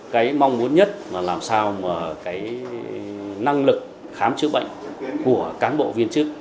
cái mong muốn nhất là làm sao mà cái năng lực khám chữa bệnh của cán bộ viên chức